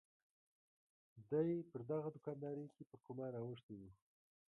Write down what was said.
دای پر دغه دوکاندارۍ کې پر قمار اوښتی و.